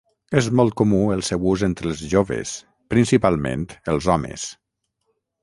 És molt comú el seu ús entre els joves, principalment els homes.